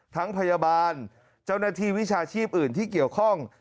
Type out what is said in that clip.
พยาบาลเจ้าหน้าที่วิชาชีพอื่นที่เกี่ยวข้อง